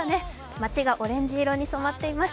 街がオレンジ色に染まっています。